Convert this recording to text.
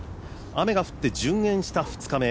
雨が降って、順延した２日目。